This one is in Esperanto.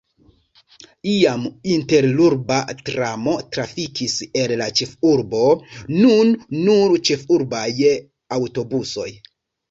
Iam interurba tramo trafikis el la ĉefurbo, nun nur ĉefurbaj aŭtobusoj.